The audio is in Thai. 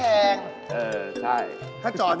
อันนี้แพง